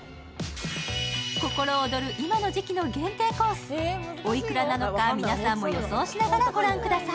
心躍る今の時期の限定コース、おいくらなのか、皆さんも予想しながらご覧ください。